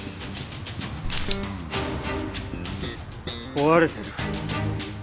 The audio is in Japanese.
壊れてる。